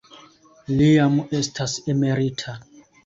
Li jam estas emerita.